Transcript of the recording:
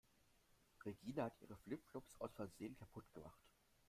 Regina hat ihre Flip-Flops aus Versehen kaputt gemacht.